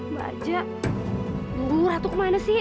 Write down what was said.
mbak ajah nunggu ratu kemana sih